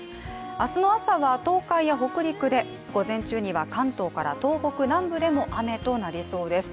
明日の朝は東海や北陸で、午前中には関東から東北南部でも雨となりそうです。